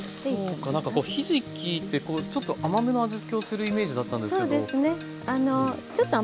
そうか何かこうひじきってちょっと甘めの味付けをするイメージだったんですけど。